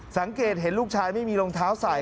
สังเกตเห็นลูกชายไม่มีรองเท้าใส่